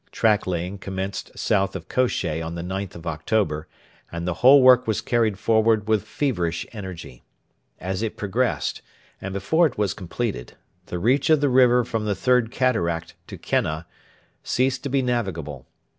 Track laying commenced south of Kosheh on the 9th of October, and the whole work was carried forward with feverish energy. As it progressed, and before it was completed, the reach of the river from the Third Cataract to Kenna ceased to be navigable.